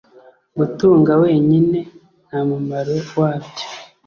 Gutunga wenyine ntamumaro wabyo